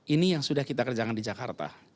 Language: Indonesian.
ini yang sudah kita kerjakan di jakarta